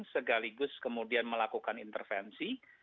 segaligus kemudian melakukan intervensi